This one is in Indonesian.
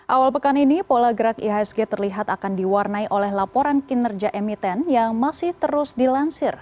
awal pekan ini pola gerak ihsg terlihat akan diwarnai oleh laporan kinerja emiten yang masih terus dilansir